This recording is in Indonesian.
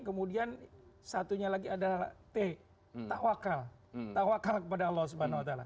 kemudian satunya lagi adalah t tawakal tawakal kepada allah swt